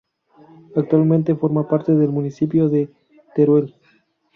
Actualmente forma parte del municipio de Teruel.